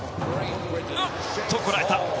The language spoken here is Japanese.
こらえた！